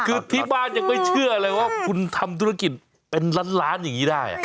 คือที่บ้านยังไม่เชื่อเลยว่าคุณทำธุรกิจเป็นล้านล้านอย่างนี้ได้